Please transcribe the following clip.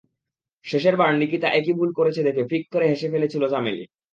শেষের বার নিকিতা একই ভুল করেছে দেখে ফিক্ করে হেসে ফেলেছিল চামেলী।